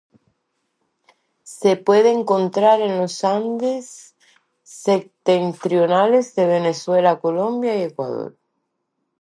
Se puede encontrar en los Andes septentrionales de Venezuela, Colombia y Ecuador.